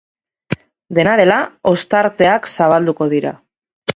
Dena dela, ostarteak zabalduko dira.